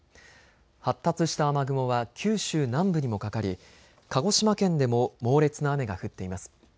発達した雨雲は九州南部にもかかり鹿児島県でも猛烈な雨が降っています。